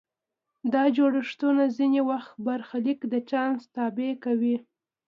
دا جوړښتونه ځینې وخت برخلیک د چانس تابع کوي.